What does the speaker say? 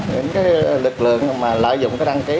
những lực lượng lợi dụng đăng ký